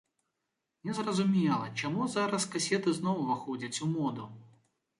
Не зразумела, чаму зараз касеты зноў уваходзяць у моду.